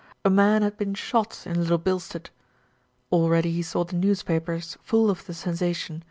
A man had been shot in Little Bilstead ! Already he saw the newspapers full of the sensation.